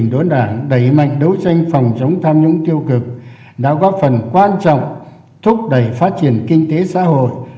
đối đảng đẩy mạnh đấu tranh phòng chống tham nhũng tiêu cực đã góp phần quan trọng thúc đẩy phát triển kinh tế xã hội